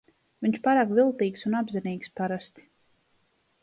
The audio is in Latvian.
Viņš pārāk viltīgs un apzinīgs parasti.